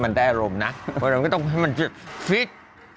แรงแปรโรมนะประโยชน์มันจุดฟิต